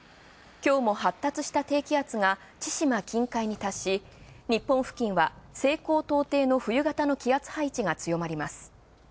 今日も発達した低気圧が千島近海に達し、日本付近は西高東低の冬型の気圧配置が強まります。